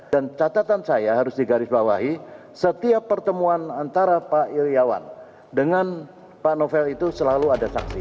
dan catatan saya harus digarisbawahi setiap pertemuan antara pak iryawan dengan pak novel itu selalu ada saksi